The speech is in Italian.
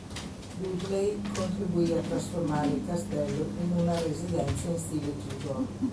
Dudley contribuì a trasformare il castello in una residenza in stile Tudor.